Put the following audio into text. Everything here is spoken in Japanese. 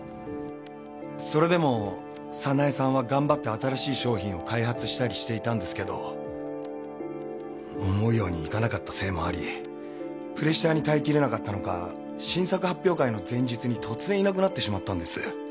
それでも早苗さんは頑張って新しい商品を開発したりしていたんですけど思うようにいかなかったせいもありプレッシャーに耐えきれなかったのか新作発表会の前日に突然いなくなってしまったんです。